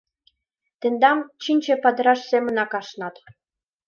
Тендам чинче падыраш семынак ашнат.